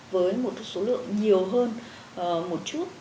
với một số lượng nhiều hơn một chút